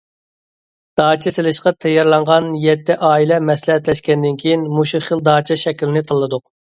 داچا سېلىشقا تەييارلانغان يەتتە ئائىلە مەسلىھەتلەشكەندىن كېيىن، مۇشۇ خىل داچا شەكلىنى تاللىدۇق.